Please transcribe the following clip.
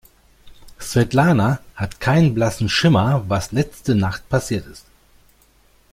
Svetlana hat keinen blassen Schimmer, was letzte Nacht passiert ist.